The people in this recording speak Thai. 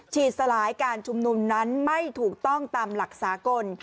สลายการชุมนุมนั้นไม่ถูกต้องตามหลักสากล